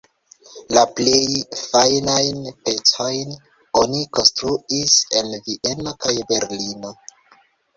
La plej fajnajn pecojn oni konstruis en Vieno kaj Berlino.